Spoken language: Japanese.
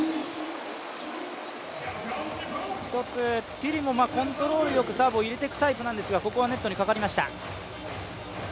ティリもコントロールよくサーブを入れていくタイプなんですがここはネットにかかりました。